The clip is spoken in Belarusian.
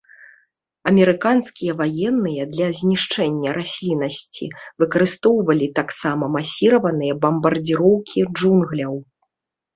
Амерыканскія ваенныя для знішчэння расліннасці выкарыстоўвалі таксама масіраваныя бамбардзіроўкі джунгляў.